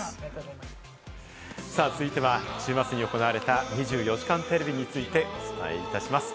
続いては週末に行われた『２４時間テレビ』についてお伝えします。